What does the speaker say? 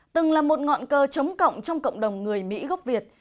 từng là một ngọn cờ chống cộng trong cộng đồng người mỹ gốc việt